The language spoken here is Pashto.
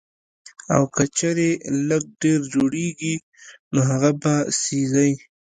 او کۀ چرې لږ ډېر جوړيږي نو هغه به سېزئ